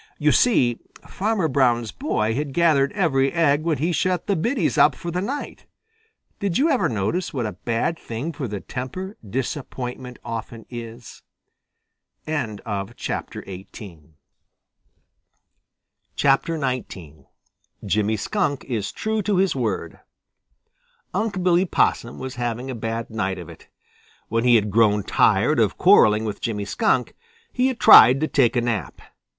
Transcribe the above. You see, Farmer Brown's boy had gathered every egg when he shut the biddies up for the night. Did you ever notice what a bad thing for the temper disappointment often is? XIX JIMMY SKUNK IS TRUE TO HIS WORD Unc' Billy Possum was having a bad night of it. When he had grown tired of quarreling with Jimmy Skunk, he had tried to take a nap.